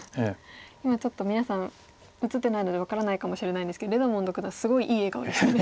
今ちょっと皆さん映ってないので分からないかもしれないんですけどレドモンド九段すごいいい笑顔でしたね。